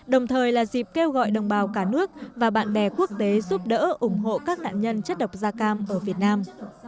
đồng thời là dịp kêu gọi đồng bào cả nước và bạn bè quốc tế giúp đỡ ủng hộ các nạn nhân chất độc da cam ở việt nam